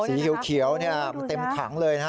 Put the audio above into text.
สีเขียวเต็มขังเลยนะ